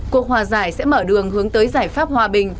cuộc hòa giải sẽ mở đường hướng tới giải pháp hòa bình